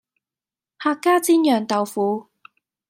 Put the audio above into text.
客家煎釀豆腐